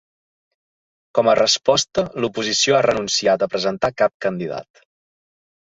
Com a resposta, l’oposició ha renunciat a presentar cap candidat.